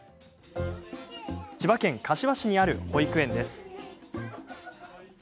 千葉県柏市にある保育園です。